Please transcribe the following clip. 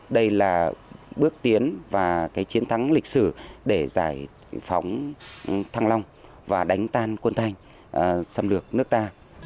đây là bước tiến và chiến thắng lịch sử để giải phóng thăng long và đánh tan quân thanh xâm lược nước ta